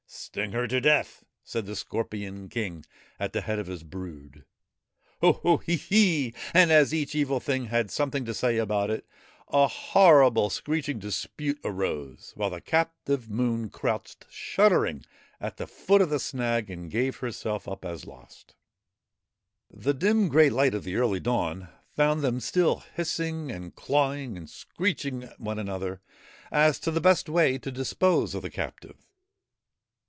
' Sting her to death !' said the Scorpion King at the head of his brood. ' Ho, ho 1 He, he !' And, as each vile thing had something to say about it, a horrible, screeching dispute arose, while the captive Moon crouched shuddering at the foot of the snag and gave herself up as lost. The dim grey light of the early dawn found them still hissing and clawing and screeching at one another as to the best way to dispose of the captive.